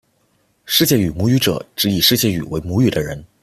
世界语母语者指以世界语为母语的人。